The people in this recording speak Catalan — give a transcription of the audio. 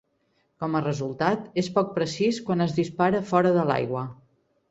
Com a resultat, és poc precís quan es dispara fora de l'aigua.